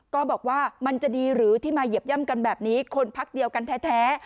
ก็บอกว่ามันจะดีหรือที่มาเหยียบย่ำกันแบบนี้คนพักเดียวกันแท้